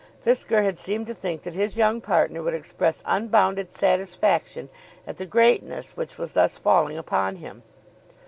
Fisker had seemed to think that his young partner would express unbounded satisfaction at the greatness which was thus falling upon him.